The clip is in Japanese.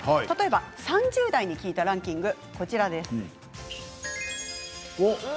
例えば、３０代に聞いたランキングがこちらです。